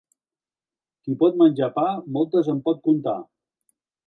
Qui pot menjar pa moltes en pot contar.